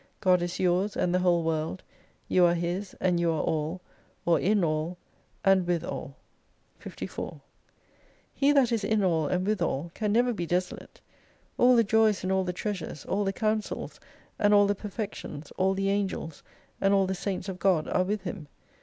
God is yours and the whole world. You are His, and you are all ; or in all, and with all. 54 He that is in all, and with all, can never be desolate. All the joys and all the treasures, all the counsels, and all the perfections, all the angels, and all the saints of God are with him.